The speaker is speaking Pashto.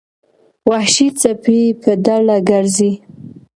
وحشي سپي په ډله ګرځي.